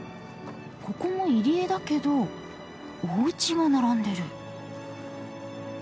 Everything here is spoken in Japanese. ここも入り江だけどおうちが並んでる。